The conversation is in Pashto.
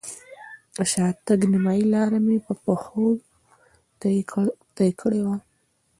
د شاتګ نیمایي لاره مې په پښو طی کړې وه.